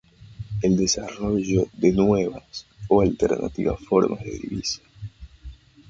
El desarrollo de nuevas o alternativas formas de divisa.